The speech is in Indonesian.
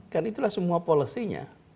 kan itulah semua polosinya